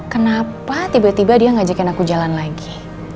kenapa tiba tiba dia ngajakin aku jalan lagi